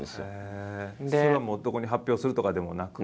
それはどこに発表するとかでもなく？